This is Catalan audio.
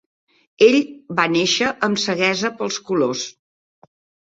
Ell va néixer amb ceguesa pels colors.